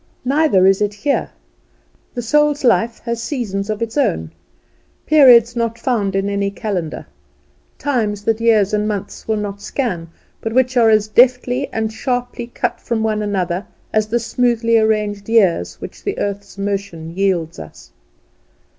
Neither is it here. The soul's life has seasons of its own; periods not found in any calendar, times that years and months will not scan, but which are as deftly and sharply cut off from one another as the smoothly arranged years which the earth's motion yields us.